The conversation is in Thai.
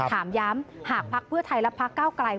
ถามย้ำหากภักดิ์เพื่อไทยและพักเก้าไกล